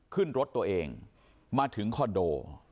ขึ้นรถตัวเองมาถึงคอนโด